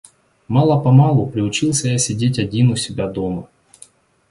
Мало-помалу приучился я сидеть один у себя дома.